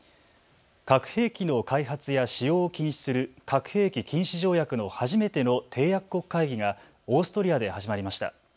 核兵器の開発や使用を禁止する核兵器禁止条約の初めての締約国会議がオーストリアで始まりました。